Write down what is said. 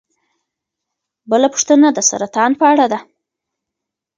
بله پوښتنه د سرطان په اړه ده.